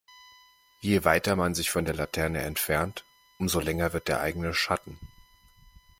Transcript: Je weiter man sich von der Laterne entfernt, umso länger wird der eigene Schatten.